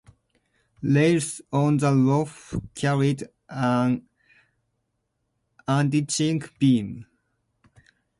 Rails on the roof carried an unditching beam.